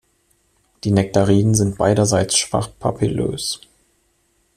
Die Nektarien sind beiderseits schwach papillös.